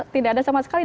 tidak ada sama sekali